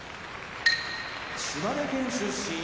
島根県出身